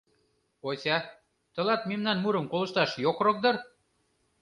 — Ося, тылат мемнан мурым колышташ йокрок дыр?